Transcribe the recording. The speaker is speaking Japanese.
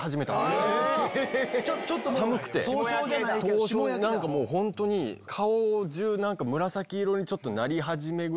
寒くて凍傷何かもうホントに顔中何か紫色にちょっとなり始めぐらいで。